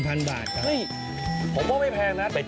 ที่เราตีเองทำเองนวดเอง